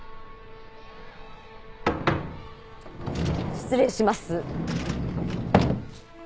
失礼します。